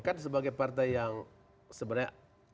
kan sebagai partai yang sebenarnya